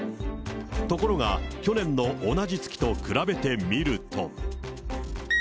ところが、去年の同じ月と比べてみると。